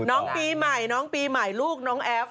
น้องปีใหม่น้องปีใหม่ลูกน้องแอฟ